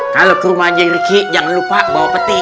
kalau ke rumah haji riki jangan lupa bawa peti